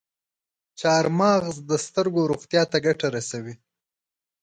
چارمغز د سترګو روغتیا ته ګټه رسوي.